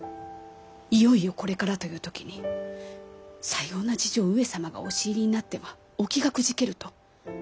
いよいよこれからという時にさような事情を上様がお知りになってはお気がくじけると。